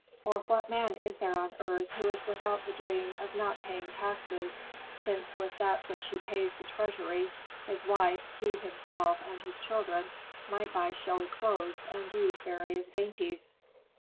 Or what man is there on earth who is without the dream of not paying taxes, since with that which he pays the treasury, his wife, he himself, and his children might buy showy clothes and use various dainties?"